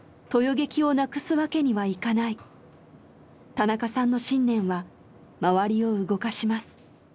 田中さんの信念は周りを動かします。